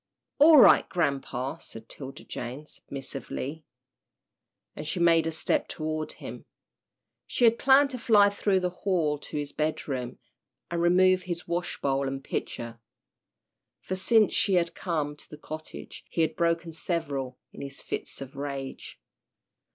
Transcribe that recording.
"All right, grampa," said 'Tilda Jane, submissively, and she made a step toward him. She had planned to fly through the hall to his bedroom, and remove his wash bowl and pitcher, for since she had come to the cottage he had broken several in his fits of rage.